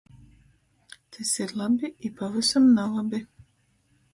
Tys ir i labi i pavysam nalabi...